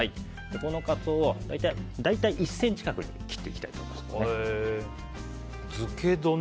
このカツオを大体１ｃｍ角に切っていきたいと思います。